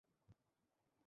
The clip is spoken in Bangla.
দেখ তর জন্য কি নিয়ে এসেছি।